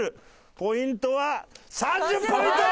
ポイントは３０ポイント！